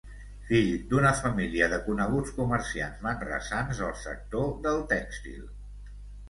Fill d'una família de coneguts comerciants manresans del sector del tèxtil.